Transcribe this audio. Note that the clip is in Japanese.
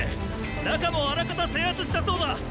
中もあらかた制圧したそうだ！